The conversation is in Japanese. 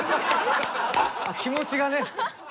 気持ちがね。